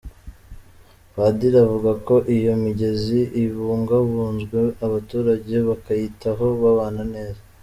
Padiri avuga ko iyo imigezi ibungabunzwe abaturage bakayitaho babana neza.